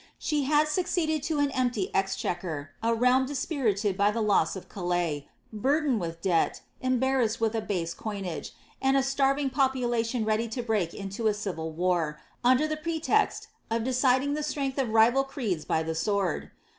She had succeeded to an empty exchequer, a realm dispirited by Lhe lo>s of Calais, burdened with debt, embarrassed with a base coinage, and a ^tarvin? population ready to break into a civil war, under the pre text of deriding the strenirlli of rival creeds by the sword.